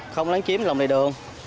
không lắng kiếm lòng đầy đường